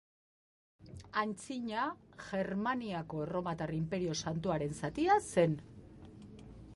Antzina, Germaniako Erromatar Inperio Santuaren zatia zen.